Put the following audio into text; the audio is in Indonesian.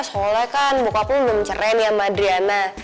soalnya kan bokap lo udah mencerai sama adriana